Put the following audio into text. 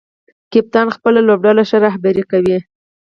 کپتان خپله لوبډله ښه رهبري کوي.